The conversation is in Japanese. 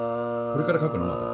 これから描くの？